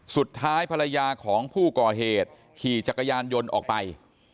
สุดท้ายภรรยาของผู้ก่อเหตุขี่จักรยานยนต์ออกไป